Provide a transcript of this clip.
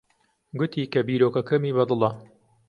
گوتی کە بیرۆکەکەمی بەدڵە.